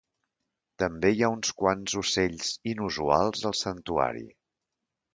També hi ha uns quants ocells inusuals al santuari.